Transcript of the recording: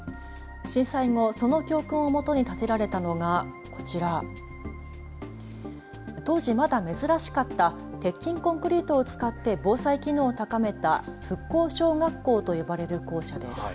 震災後、その教訓をもとに建てられたのがこちら、当時まだ珍しかった鉄筋コンクリートを使って防災機能を高めた復興小学校と呼ばれる校舎です。